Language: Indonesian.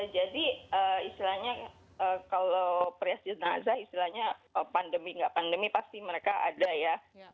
jadi istilahnya kalau perias jenazah istilahnya pandemi nggak pandemi pasti mereka ada ya